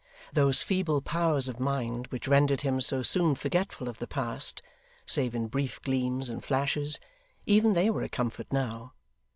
Those feeble powers of mind which rendered him so soon forgetful of the past, save in brief gleams and flashes, even they were a comfort now.